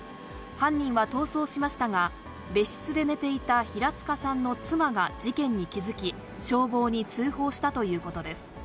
犯人は逃走しましたが、別室で寝ていた平塚さんの妻が事件に気付き、消防に通報したということです。